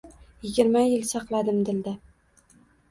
Yigirma yil sakladim dilda.